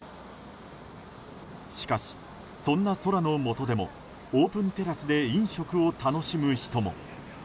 しかし、そんな空のもとでもオープンテラスで飲食を楽しむ人も。